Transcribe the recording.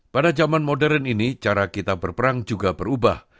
pada zaman modern ini cara kita berperang juga berubah